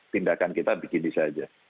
tindakan kita begini saja